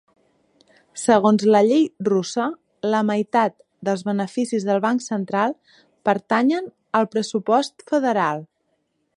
Segons la llei russa, la meitat dels beneficis del Banc Central pertanyen al pressupost federal.